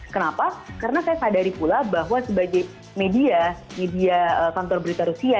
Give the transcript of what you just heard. kenapa karena saya sadari pula bahwa sebagai media media kantor berita rusia